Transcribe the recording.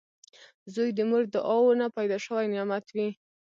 • زوی د مور د دعاوو نه پیدا شوي نعمت وي